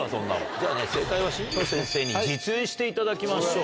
じゃあね正解は新庄先生に実演していただきましょう。